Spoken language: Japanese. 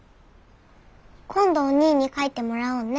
今度おにぃに描いてもらおうね。